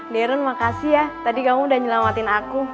derun makasih ya tadi kamu udah nyelamatin aku